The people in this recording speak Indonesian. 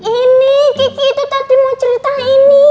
ini gigi itu tadi mau cerita ini